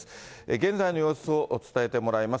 現在の様子を伝えてもらいます。